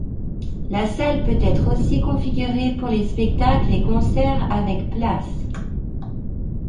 La salle peut être aussi configurée pour les spectacles et concerts avec places.